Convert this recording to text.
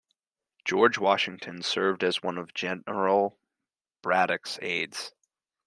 George Washington served as one of General Braddock's aides.